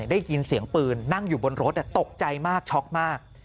ได้ยินเสียงปืนนั่งอยู่บนรถตกใจมากช็อกมาก